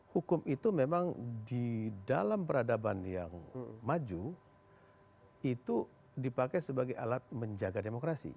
hukum itu memang di dalam peradaban yang maju itu dipakai sebagai alat menjaga demokrasi